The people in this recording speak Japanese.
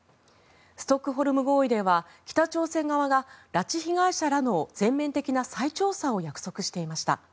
ストックホルム合意では北朝鮮側が拉致被害者らの全面的な再調査を約束していました。